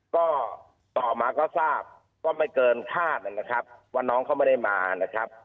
ก็ต่อมาก็ทราบก็ไม่เกินคาดนะครับว่าน้องเขาไม่ได้มานะครับ